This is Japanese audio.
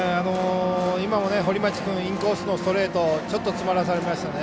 今も堀町君インコースのストレートちょっと詰まらされましたね。